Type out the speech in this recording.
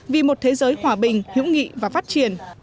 vì một thế giới hòa bình hữu nghị và phát triển